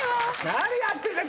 何やってんだよ